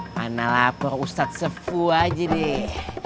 mana lapar ustadz sefuh aja deh